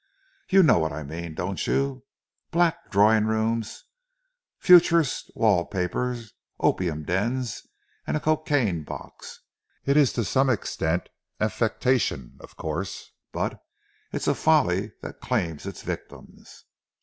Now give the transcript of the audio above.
You know what I mean, don't you black drawing rooms, futurist wall papers, opium dens and a cocaine box! It's to some extent affectation, of course, but it's a folly that claims its victims."